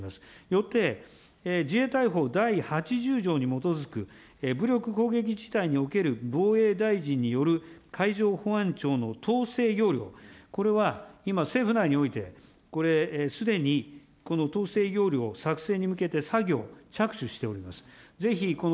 よって、自衛隊法第８０条に基づく武力攻撃事態における防衛大臣による海上保安庁の統制要領、これは、今、政府内において、これすでにこの統制要領作成に向けて作業、着手しております。